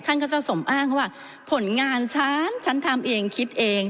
ท่านก็จะสมอ้างเขาว่าผลงานฉันฉันทำเองคิดเอง